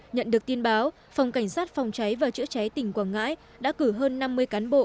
nhận được tin báo phòng cảnh sát phòng cháy và chữa cháy tỉnh quảng ngãi đã cử hơn năm mươi cán bộ